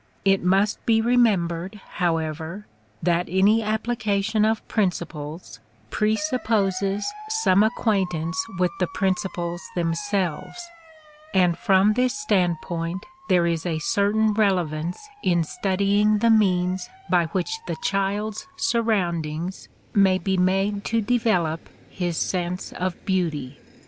It must be remembered, however, that any application of principles presupposes some acquaintance with the principles themselves; and from this standpoint there is a certain relevance in studying the means by which the child's surroundings may be made to develop his sense of beauty.